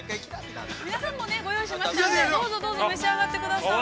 ◆皆さんもご用意しましたんで、どうぞ召し上がってください。